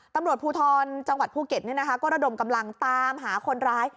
ตำรวจภูทรจังหวัดภูเก็ตก็ระดมกำลังตามหาคนร้าย